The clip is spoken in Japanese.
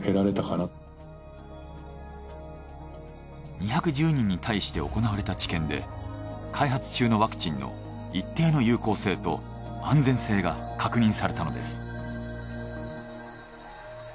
２１０人に対して行われた治験で開発中のワクチンの一定の有効性と安全性が確認されたのです。